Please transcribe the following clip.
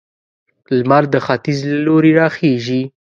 لمر د ختيځ له لوري راخيژي